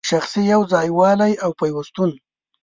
شخصي یو ځای والی او پیوستون